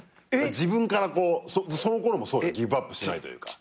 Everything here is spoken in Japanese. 自分からそのころもそうギブアップしないというか。